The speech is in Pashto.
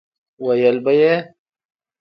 ويل به يې